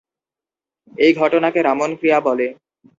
এই ঘটনাকে ‘রামন ক্রিয়া’ বলে।